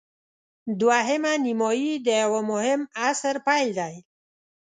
دوهمه نیمايي د یوه مهم عصر پیل دی.